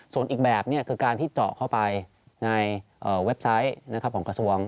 ส่วนอีกแบบคือการที่เจาะเข้าไปในเว็บไซต์ของกระทรวง